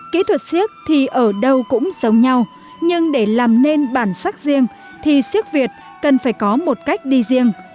kỹ thuật siếc thì ở đâu cũng giống nhau nhưng để làm nên bản sắc riêng thì siếc việt cần phải có một cách đi riêng